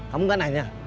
kamu enggak nanya